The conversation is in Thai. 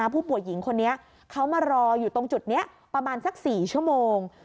ผู้หญิงคนนี้เขามารออยู่ตรงจุดนี้ประมาณสัก๔ชั่วโมง